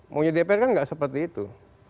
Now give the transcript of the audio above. maunya dpr kan nggak seperti itu